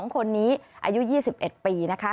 ๒คนนี้อายุ๒๑ปีนะคะ